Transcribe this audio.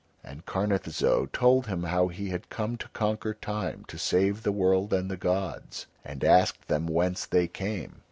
and Karnith Zo told him how he had come to conquer Time to save the world and the gods, and asked them whence they came.